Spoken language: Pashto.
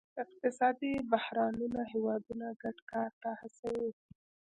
اقتصادي بحرانونه هیوادونه ګډ کار ته هڅوي